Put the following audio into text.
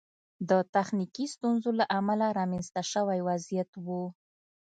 د تخنیکي ستونزو له امله رامنځته شوی وضعیت و.